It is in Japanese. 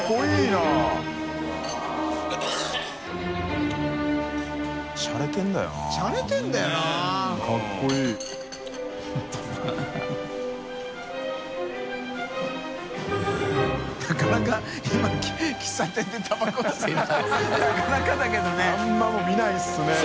あんまり見ないですね。